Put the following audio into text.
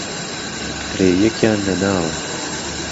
ئهرێ یهکیان له ناوه